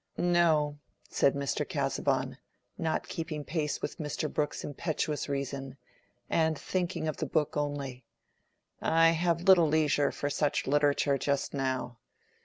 "No," said Mr. Casaubon, not keeping pace with Mr. Brooke's impetuous reason, and thinking of the book only. "I have little leisure for such literature just now.